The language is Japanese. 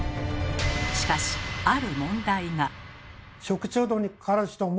しかしある問題が。